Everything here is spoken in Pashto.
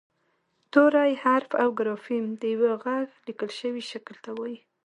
توری حرف او ګرافیم د یوه غږ لیکل شوي شکل ته وايي